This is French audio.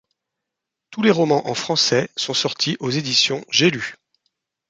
Tous les romans en français sont sortis aux éditions J'ai lu.